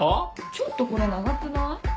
ちょっとこれ長くない？